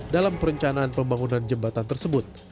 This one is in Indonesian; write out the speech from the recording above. dalam perencanaan pembangunan jembatan tersebut